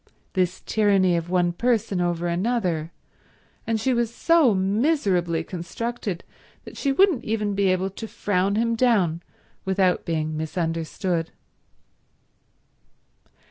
This tyranny of one person over another! And she was so miserably constructed that she wouldn't even be able to frown him down without being misunderstood.